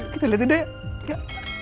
kita lihat lihat ya